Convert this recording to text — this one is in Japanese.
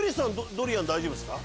ドリアン大丈夫ですか？